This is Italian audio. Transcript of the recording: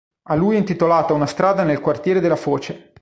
A lui è intitolata una strada nel quartiere della Foce.